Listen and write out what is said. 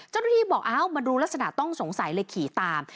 เจ้าหน้าที่บอกเอ้ามาดูลักษณะต้องสงสัยเลยขี่ตาม